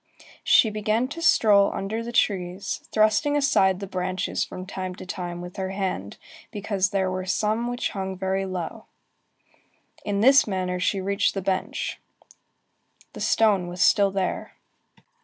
She began to stroll about under the trees, thrusting aside the branches from time to time with her hand, because there were some which hung very low. In this manner she reached the bench. The stone was still there.